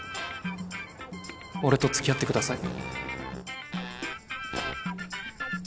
俺とつきあってください